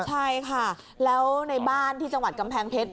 ใช่ค่ะแล้วในบ้านที่จังหวัดกำแพงเพชร